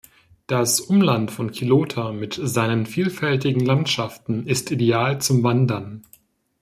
Das Umland von Quillota mit seinen vielfältigen Landschaften ist ideal zum Wandern.